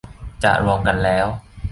จะรวมกันแล้ว